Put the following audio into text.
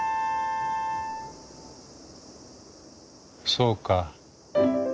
そうか。